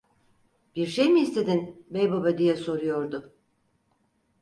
Bir şey mi istedin, Beybaba! diye soruyordu.